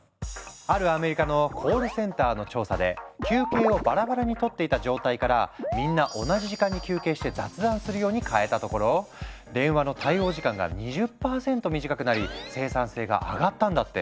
あるアメリカのコールセンターの調査で休憩をバラバラに取っていた状態からみんな同じ時間に休憩して雑談するように変えたところ電話の対応時間が２０％短くなり生産性が上がったんだって。